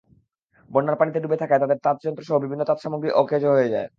বন্যার পানিতে ডুবে থাকায় তাঁদের তাঁতযন্ত্রসহ বিভিন্ন তাঁতসামগ্রী অকেজো হয়ে যায়।